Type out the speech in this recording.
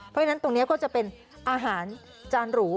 เพราะฉะนั้นตรงนี้ก็จะเป็นอาหารจานหรู